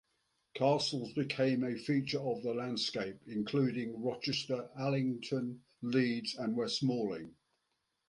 Castles became a feature of the landscape, including Rochester, Allington, Leeds, and West Malling.